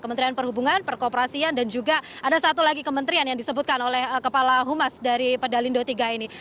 kementerian perhubungan perkoperasian dan juga ada satu lagi kementerian yang disebutkan oleh kepala humas dari pedalindo iii ini